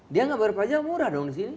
dia gak berpajak murah dong di sini